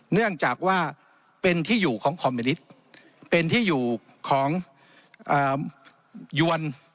เนื่องจากว่าเป็นที่อยู่ของคอมมิวนิตเป็นที่อยู่ของยวน